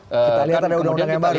kita lihat ada undang undang yang baru